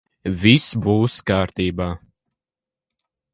Viss būs kārtībā.